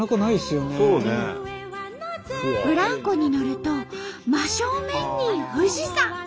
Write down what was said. ブランコに乗ると真正面に富士山。